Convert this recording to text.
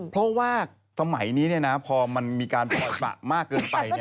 เพราะว่าสมัยนี้พอมันมีการปล่อยประมากเกินไป